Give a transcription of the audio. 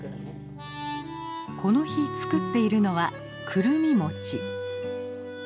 この日作っているのはくるみ餅。